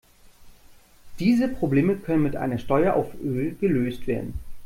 Diese Probleme können mit einer Steuer auf Öl gelöst werden.